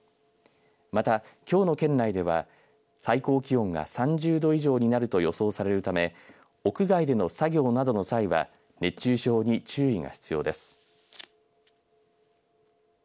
また、きょうの県内では最高気温が３０度以上になると予想されるため屋外での作業などの際は熱中症に注意が必要です。